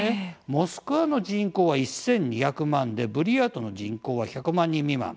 モスクワの人口は１２００万人でブリヤートの人口は１００万人未満。